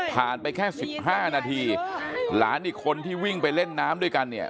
ไปแค่๑๕นาทีหลานอีกคนที่วิ่งไปเล่นน้ำด้วยกันเนี่ย